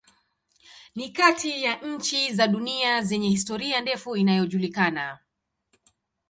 Ni kati ya nchi za dunia zenye historia ndefu inayojulikana.